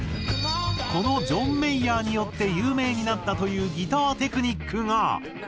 このジョン・メイヤーによって有名になったというギターテクニックが。